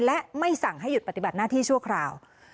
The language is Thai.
และไม่สั่งให้หยุดปฏิบัติหน้าที่ชั่วคราว